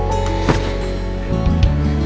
sampai jumpa lagi